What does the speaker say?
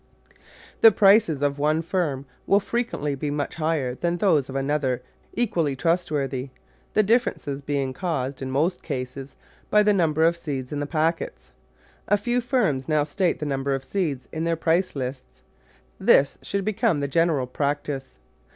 Digitized by Google Five] $Uttf)a0ttIg Of frfo* 43 The prices of one firm will frequently be much higher than those of another equally trustworthy, the difference being caused, in most cases, by the number of seeds in the packets. A few firms now state the number of seeds in their price lists. This should be come the general practice.